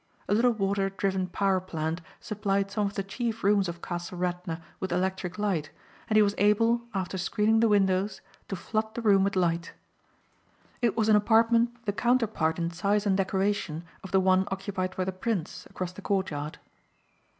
A little water driven power plant supplied some of the chief rooms of Castle Radna with electric light and he was able, after screening the windows to flood the room with light. It was an apartment the counterpart in size and decoration of the one occupied by the prince, across the courtyard.